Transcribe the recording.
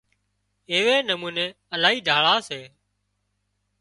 ايوي نموني الاهي ڍاۯا سي